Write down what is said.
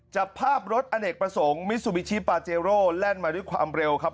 จับภาพรถอเนกประสงค์มิซูบิชิปาเจโร่แล่นมาด้วยความเร็วครับ